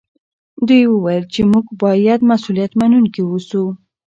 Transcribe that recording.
دوی وویل چې موږ باید مسوولیت منونکي اوسو.